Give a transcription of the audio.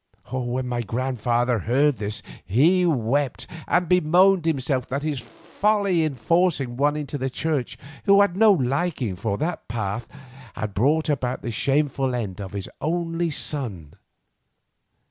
When my grandfather heard this he wept, and bemoaned himself that his folly in forcing one into the Church who had no liking for that path, had brought about the shameful end of his only son.